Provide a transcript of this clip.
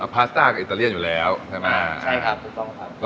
พาสตาร์ทกับอิตาเลียนอยู่แล้วใช่ไม่คะ